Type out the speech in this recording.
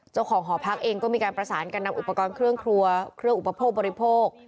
หอพักเองก็มีการประสานกันนำอุปกรณ์เครื่องครัวเครื่องอุปโภคบริโภค